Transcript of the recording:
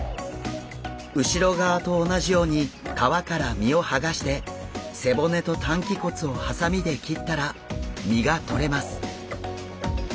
後ろ側と同じように皮から身をはがして背骨と担鰭骨をハサミで切ったら身がとれます。